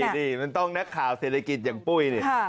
๕๘น่ะมันต้องแนะข่าวเศรษฐกิจอย่างปุ้ยนี่